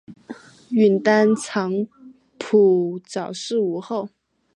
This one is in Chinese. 允丹藏卜早逝无后。